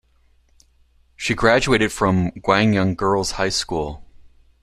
She graduated from Gwangyoung Girls' High School.